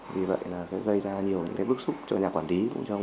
vì vậy gây ra nhiều bước xúc cho nhà quản lý